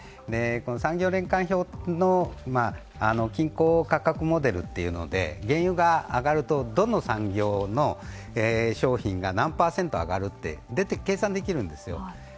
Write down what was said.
産業連関表の均衡価格モデルというので原油が上がるとどの産業の商品が何パーセント上がるって計算できるんですよ。